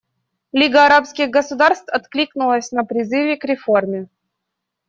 Лига арабских государств откликнулась на призывы к реформе.